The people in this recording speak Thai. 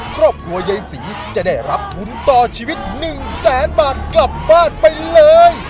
ครอบครัวยายศรีจะได้รับทุนต่อชีวิต๑แสนบาทกลับบ้านไปเลย